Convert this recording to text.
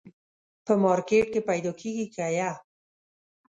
په مارکېټ کي پیدا کېږي که یه ؟